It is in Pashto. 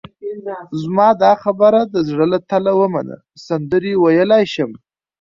زما دا خبره د زړه له تله ومنه، سندرې ویلای شم.